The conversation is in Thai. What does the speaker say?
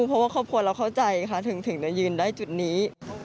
เพราะว่าครอบครัวเราเข้าใจค่ะถึงจะยืนได้จุดนี้